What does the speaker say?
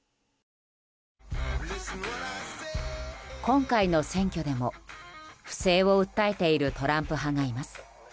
今回の選挙でも、不正を訴えているトランプ派がいます。